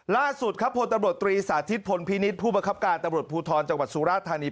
ล่าสุดครับพตศพพินิษฐ์ผู้บังคับการณ์ตศพุทธจสุราชธานี